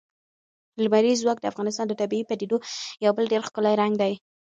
لمریز ځواک د افغانستان د طبیعي پدیدو یو بل ډېر ښکلی رنګ دی.